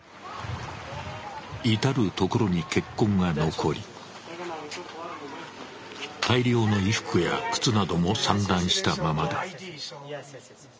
至る所に血痕が残り、大量の衣服や靴も散乱したままだ。